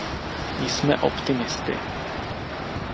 Jsme optimisty.